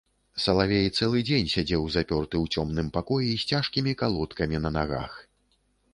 Салавей цэлы дзень сядзеў запёрты ў цёмным пакоі, з цяжкімі калодкамі на нагах.